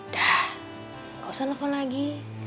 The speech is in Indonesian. dah gak usah nelfon lagi